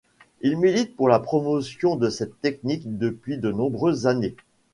Il milite pour la promotion de cette technique depuis de nombreuses années.